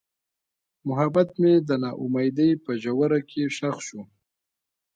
محبت مې د نا امیدۍ په ژوره کې ښخ شو.